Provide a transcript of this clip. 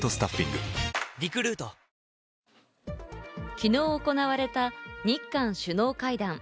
昨日行われた、日韓首脳会談。